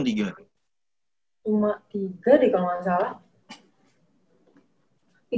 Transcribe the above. cuma tiga deh kalau gak salah